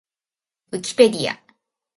ウィキペディア